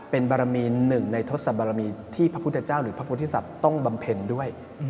เป็นบารมีหนึ่งในทศบารมีที่พระพุทธเจ้าหรือพระพุทธศัตริย์ต้องบำเพ็ญด้วย